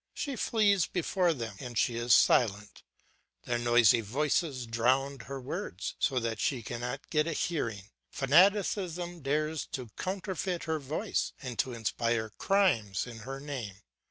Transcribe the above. She flees before them or she is silent; their noisy voices drown her words, so that she cannot get a hearing; fanaticism dares to counterfeit her voice and to inspire crimes in her name.